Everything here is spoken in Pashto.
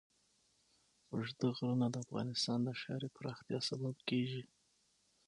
اوږده غرونه د افغانستان د ښاري پراختیا سبب کېږي.